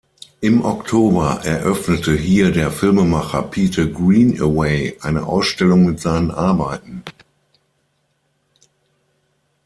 Im Oktober eröffnete hier der Filmemacher Peter Greenaway eine Ausstellung mit seinen Arbeiten.